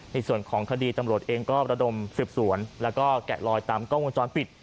ในส่วนของคดีตำรวจเองก็ประดมสืบสวนแล้วก็แกะลอยตามกล้องวงจรปิด